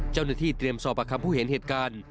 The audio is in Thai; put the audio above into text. เจ้าหน้าที่เตรียมสอบประคำผู้เห็นเหตุการณ์